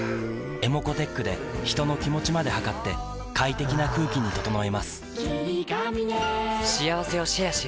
ｅｍｏｃｏーｔｅｃｈで人の気持ちまで測って快適な空気に整えます